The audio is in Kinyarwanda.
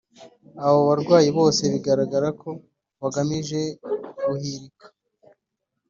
abo barwanyi bose bigaragara ko bagamije guhirika